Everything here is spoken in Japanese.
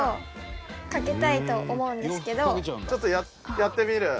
ちょっとやってみる。